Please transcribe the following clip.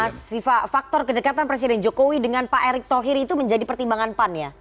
mas viva faktor kedekatan presiden jokowi dengan pak erick thohir itu menjadi pertimbangan pan ya